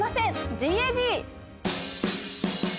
ＧＡＧ！